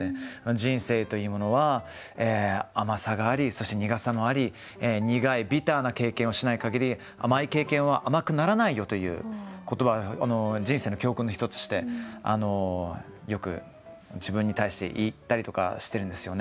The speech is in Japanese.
人生というものは甘さがありそして苦さもあり苦いビターな経験をしない限り甘い経験は甘くならないよという言葉を人生の教訓の一つとしてよく自分に対して言ったりとかしてるんですよね。